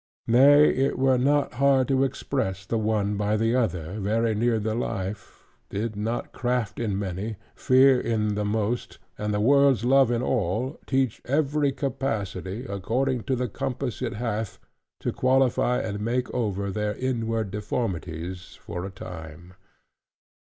Nay, it were not hard to express the one by the other, very near the life, did not craft in many, fear in the most, and the world's love in all, teach every capacity, according to the compass it hath, to qualify and make over their inward deformities for a time.